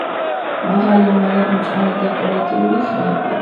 მაღალი მარადმწვანე დეკორატიული ხეებია.